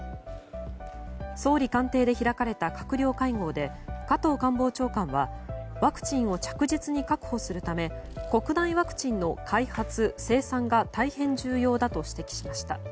総理官邸で開かれた閣僚会合で加藤官房長官はワクチンを着実に確保するため国内ワクチンの開発・生産が大変重要だと指摘しました。